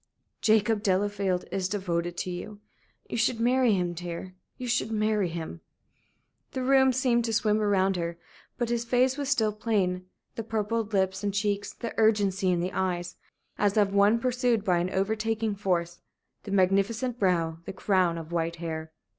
"Jacob Delafield is devoted to you. You should marry him, dear you should marry him." The room seemed to swim around her. But his face was still plain the purpled lips and cheeks, the urgency in the eyes, as of one pursued by an overtaking force, the magnificent brow, the crown of white hair.